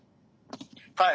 はい。